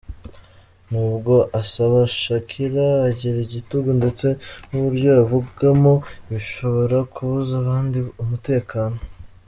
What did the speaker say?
Nubwo asabana, Shakilah agira igitugu ndetse n’uburyo avugamo bishobora kubuza abandi umutekano.